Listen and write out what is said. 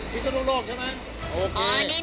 พิศนุโลกใช่ไหม